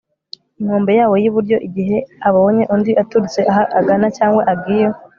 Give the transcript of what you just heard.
inkombe yawo y iburyo igihe abonye undi aturutse aho agana cyangwa agiye